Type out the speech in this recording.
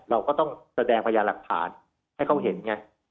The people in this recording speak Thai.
เราก็ต้องแสดงพยานหลักฐานให้เขาเห็นไง